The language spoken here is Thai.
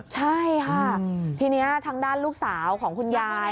ใช่ค่ะทีนี้ทางด้านลูกสาวของคุณยาย